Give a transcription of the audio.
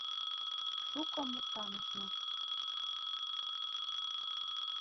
Шуко мутланышна.